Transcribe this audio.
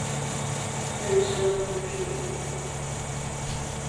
Cox offered himself to Bishop Elijah Hedding for the South American field.